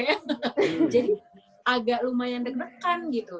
jadi agak lumayan deg degan gitu